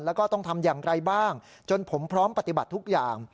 แล้วก็ต้องทำอย่างไรบ้างจนผมพร้อมปฏิบัติทุกอย่าง